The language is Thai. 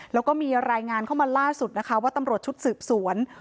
แล้วก็มีรายงานเข้ามาล่าสุดนะคะว่าตำรวจชุดสืบสวน